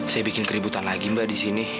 saya bikin keributan lagi mbak di sini